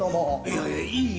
いやいやいい。